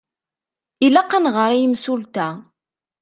Ilaq ad nɣeṛ i yimsulta.